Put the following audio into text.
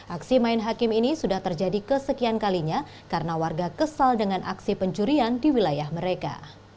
aksi main hakim ini sudah terjadi kesekian kalinya karena warga kesal dengan aksi pencurian di wilayah mereka